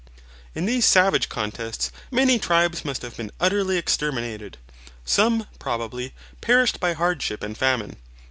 In these savage contests many tribes must have been utterly exterminated. Some, probably, perished by hardship and famine.